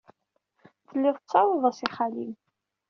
Tellid tettarud-as i xali-m.